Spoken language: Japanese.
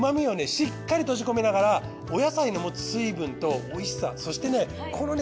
しっかり閉じ込めながらお野菜の持つ水分とおいしさそしてねこのね